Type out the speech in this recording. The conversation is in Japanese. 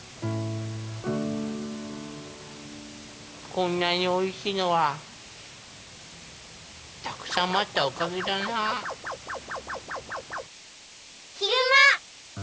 こんなにおいしいのはたくさん待ったおかげだなあ。悲熊。